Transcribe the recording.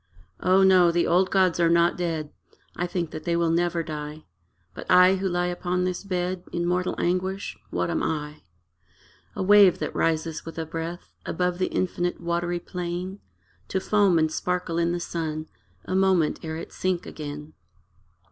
O no, the old gods are not dead: I think that they will never die; But, I, who lie upon this bed In mortal anguish what am I? A wave that rises with a breath Above the infinite watery plain, To foam and sparkle in the sun A moment ere it sink again.